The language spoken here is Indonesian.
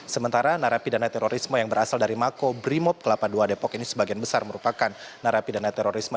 sementara narapidana terorisme yang berasal dari mako brimob kelapa dua depok ini sebagian besar merupakan narapidana terorisme